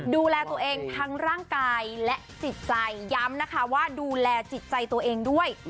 ดูแลตัวเองทั้งร่างกายและจิตใจย้ำนะคะว่าดูแลจิตใจตัวเองด้วย